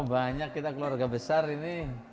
banyak kita keluarga besar ini